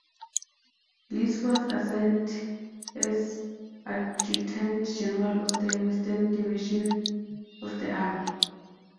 Bliss was assigned as Adjutant-General of the Western Division of the Army.